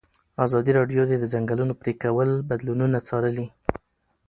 ازادي راډیو د د ځنګلونو پرېکول بدلونونه څارلي.